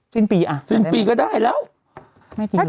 สิ้นปีอ่ะสิ้นปีก็ได้แล้วไม่กินแล้ว